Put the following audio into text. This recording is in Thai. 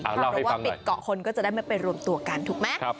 เพราะว่าปิดเกาะคนก็จะได้ไม่ไปรวมตัวกันถูกไหม